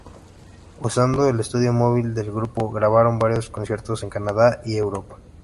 Usando el estudio móvil del grupo, grabaron varios conciertos en Canadá y Europa.